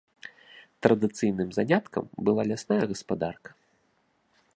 Традыцыйным заняткам была лясная гаспадарка.